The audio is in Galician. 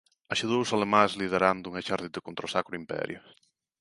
Axudou os alemáns liderando un exército contra o Sacro Imperio.